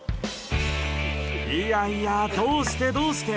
いやいや、どうしてどうして。